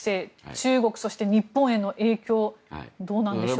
中国そして日本への影響どうなんでしょうか。